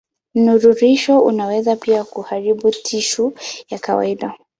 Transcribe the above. Mnururisho unaweza pia kuharibu tishu ya kawaida.